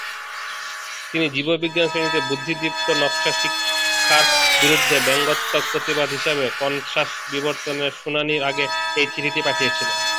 তিনি জীববিজ্ঞান শ্রেণিতে বুদ্ধিদীপ্ত নকশার শিক্ষার বিরুদ্ধে ব্যঙ্গাত্মক প্রতিবাদ হিসাবে কানসাস বিবর্তনের শুনানির আগে এই চিঠিটি পাঠিয়েছিলেন।